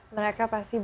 mereka pasti bangga